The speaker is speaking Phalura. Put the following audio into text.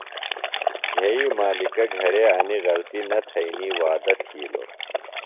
گھئی مالِکہ گھرے انیۡ غلطی نہ تھئینی وعدہ تِھیلوۡ۔